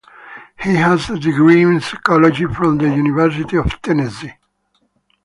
He has a degree in psychology from the University of Tennessee.